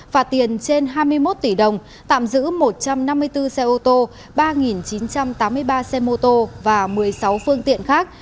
phạt tiền trên hai mươi một tỷ đồng tạm giữ một trăm năm mươi bốn xe ô tô ba chín trăm tám mươi ba xe mô tô và một mươi sáu phương tiện khác